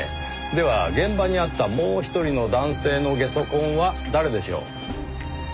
では現場にあったもう１人の男性のゲソ痕は誰でしょう？